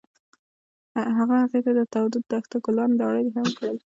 هغه هغې ته د تاوده دښته ګلان ډالۍ هم کړل.